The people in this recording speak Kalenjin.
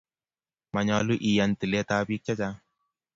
Manyolu iyan tiletab bik chechang